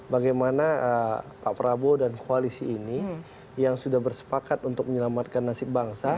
bagaimana pak prabowo dan koalisi ini yang sudah bersepakat untuk menyelamatkan nasib bangsa